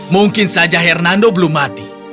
mungkin saja hernando belum mati